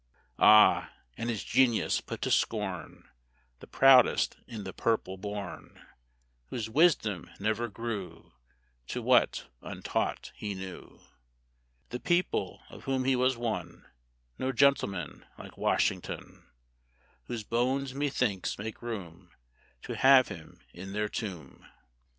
Ah! And his genius put to scorn The proudest in the purple born, Whose wisdom never grew To what, untaught, he knew, The People, of whom he was one: No gentleman, like Washington (Whose bones, methinks, make room, To have him in their tomb!).